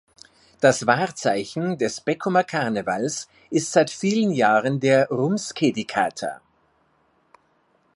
Das Wahrzeichen des Beckumer Karnevals ist seit vielen Jahren der Rumskedi-Kater.